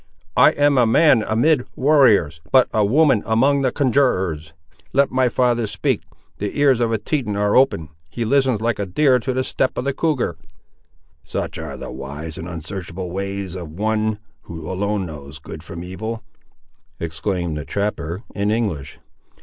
I am a man amid warriors, but a woman among the conjurors. Let my father speak: the ears of the Teton are open. He listens like a deer to the step of the cougar." "Such are the wise and uns'archable ways of One who alone knows good from evil!" exclaimed the trapper, in English.